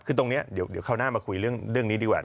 คือตรงนี้เดี๋ยวคราวหน้ามาคุยเรื่องนี้ดีกว่า